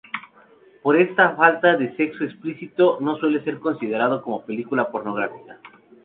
Por esta falta de sexo explícito no suele ser considerado como película pornográfica.